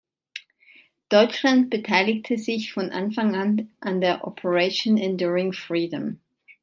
Deutschland beteiligte sich von Anfang an an der Operation Enduring Freedom.